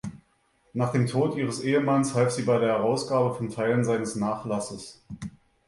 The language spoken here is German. Nach dem Tod ihres Ehemanns half sie bei der Herausgabe von Teilen seines Nachlasses.